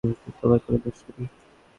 এতে তোমার কোনো দোষ নেই।